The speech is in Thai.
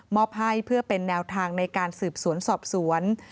อบให้เพื่อเป็นแนวทางในการสืบสวนสอบสวน